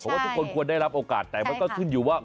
ว่าทุกคนควรได้รับโอกาสแต่มันก็ขึ้นอยู่ว่า